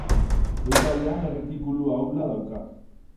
Goiko aldean erretikulu ahula dauka.